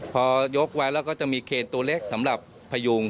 พอยกไว้แล้วก็จะมีเคนตัวเล็กสำหรับพยุง